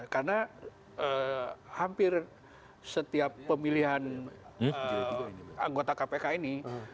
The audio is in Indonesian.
karena hampir setiap pemilihan anggota kpk ini